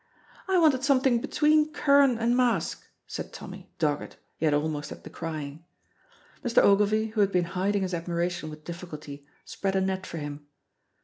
"I wanted something between curran and mask," said Tommy, dogged, yet almost at the crying. Mr. Ogilvy, who had been hiding his admiration with difficulty, spread a net for him.